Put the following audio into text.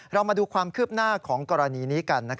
มาดูความคืบหน้าของกรณีนี้กัน